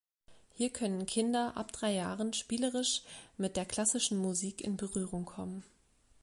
Hier können Kinder ab drei Jahren spielerisch mit der klassischen Musik in Berührung kommen.